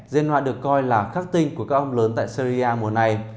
dên hoa được coi là khắc tinh của các ông lớn tại serie a mùa này